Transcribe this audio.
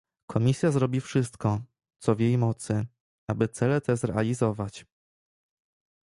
Komisja zrobi wszystko, co w jej mocy, aby cele te zrealizować